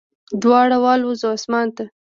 دواړه والوزو اسمان ته